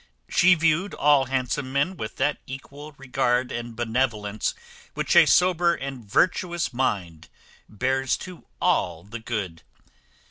She viewed all handsome men with that equal regard and benevolence which a sober and virtuous mind bears to all the good.